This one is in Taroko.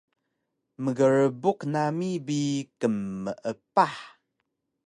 mkrbuk nami bi qmeepah